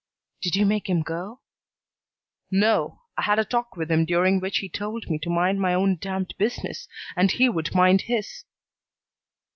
"Did you make him go?" "No. I had a talk with him during which he told me to mind my own damned business and he would mind his."